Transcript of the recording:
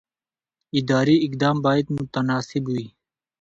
اداري اقدام باید متناسب وي.